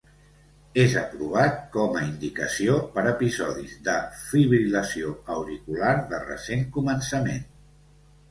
És aprovat com a indicació per episodis de fibril·lació auricular de recent començament.